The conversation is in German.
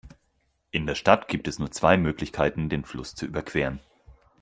In der Stadt gibt es nur zwei Möglichkeiten, den Fluss zu überqueren.